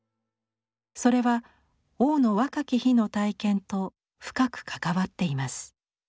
それは王の若き日の体験と深く関わっています。